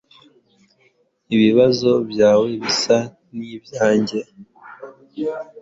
Ibibazo byawe bisa nibyanjye